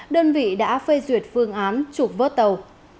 đơn vị đã phê duyệt phương án trục vớt tàu